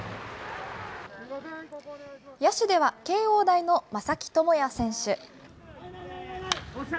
野手では、慶応大の正木智也選手。